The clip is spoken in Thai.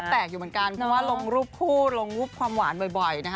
เพราะว่าลงรูปคู่ลงรูปความหวานบ่อย